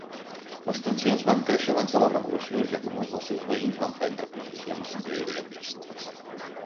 Les tensions van créixer abans de la revolució, ja que molts dels seus veïns van prendre posicions lleialistes.